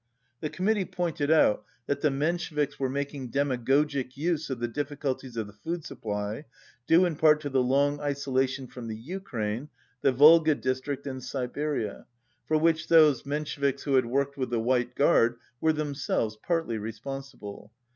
The Committee pointed out that the 167 Mcnsheviks were making demagogic use of the difficulties of the food supply, due in part to the long isolation from the Ukraine, the Volga dis trict and Siberia, for which those Mensheviks who had worked with the White Guard were them selves partly responsible.